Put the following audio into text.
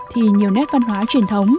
thì nhiều nét văn hóa truyền thống